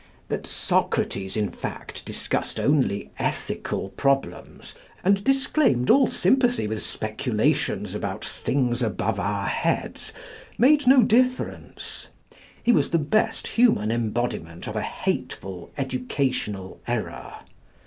That Socrates in fact discussed only ethical problems, and disclaimed all sympathy with speculations about things above our heads, made no difference: he was the best human embodiment of a hateful educational error.